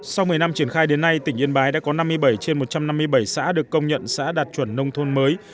sau một mươi năm triển khai đến nay tỉnh yên bái đã có năm mươi bảy trên một trăm năm mươi bảy xã được công nhận xã đạt chuẩn nông thôn mới